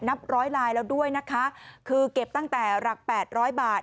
นับร้อยลายแล้วด้วยนะคะคือเก็บตั้งแต่หลักแปดร้อยบาท